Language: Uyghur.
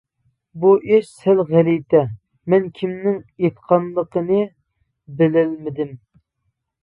بۇ ئىش سەل غەلىتە، مەن كىمنىڭ ئېيتقانلىقىنى بىلەلمىدىم.